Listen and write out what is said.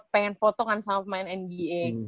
pengen foto kan sama pemain nba